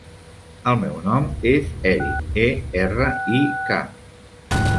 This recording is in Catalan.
El meu nom és Erik: e, erra, i, ca.